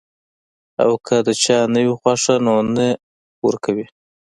او کۀ د چا نۀ وي خوښه نو نۀ دې ورکوي -